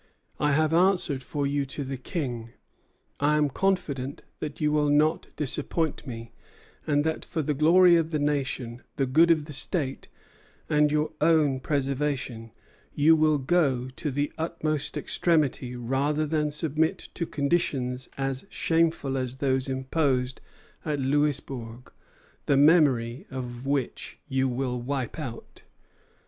I have answered for you to the King; I am confident that you will not disappoint me, and that for the glory of the nation, the good of the state, and your own preservation, you will go to the utmost extremity rather than submit to conditions as shameful as those imposed at Louisbourg, the memory of which you will wipe out."